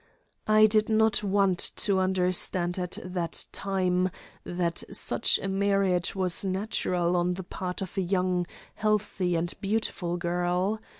I did not want to understand at that time that such a marriage was natural on the part of a young, healthy, and beautiful girl.